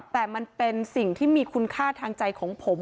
แต่มันเป็นสิ่งที่มีคุณค่าทางใจของผม